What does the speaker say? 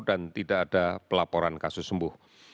dan tidak ada pelaporan kasus sembuh